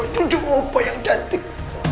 cucuk opo yang cantik